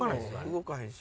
動かへんし。